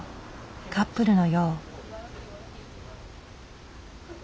カップルのよう。